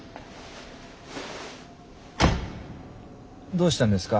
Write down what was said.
どうしたんですか？